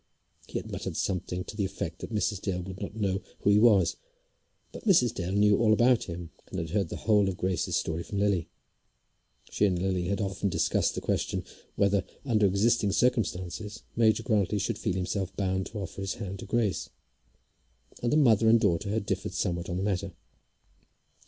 He had muttered something to the effect that Mrs. Dale would not know who he was; but Mrs. Dale knew all about him, and had heard the whole of Grace's story from Lily. She and Lily had often discussed the question whether, under existing circumstances, Major Grantly should feel himself bound to offer his hand to Grace, and the mother and daughter had differed somewhat on the matter.